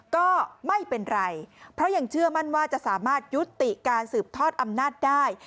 ก็ไม่เป็นไรเพราะยังเชื่อมั่นว่าจะสามารถยุติการสืบทอดอำนาจได้